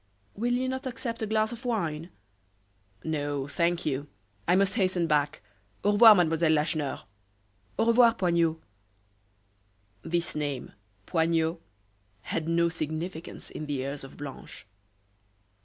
"Will you not accept a glass of wine?" "No, thank you. I must hasten back. Au revoir, Mademoiselle Lacheneur." "Au revoir, Poignot." This name Poignot had no significance in the ears of Blanche.